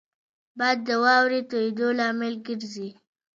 باد د واورې تویېدو لامل ګرځي